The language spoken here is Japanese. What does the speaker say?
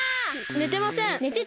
ねてません！